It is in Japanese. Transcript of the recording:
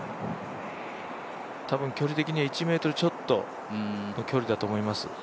多分距離的には１ｍちょっとの距離だと思います。